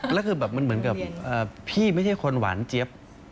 แล้วคือแบบมันเหมือนกับพี่ไม่ใช่คนหวานเจี๊ยบ